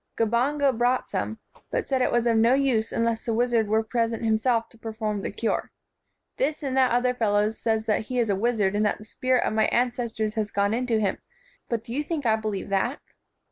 Gabunga brought some; but said it was of no use unless the wizard were present himself to perform the cure. This and that other fellow says that he is a wizard and that the spirit of my ancestors has gone into him; but do you think I believe that?"